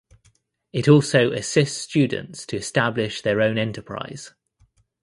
It also assists students to establish their own enterprise.